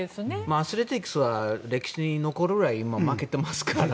アスレチックスは歴史に残るくらい負けてますから。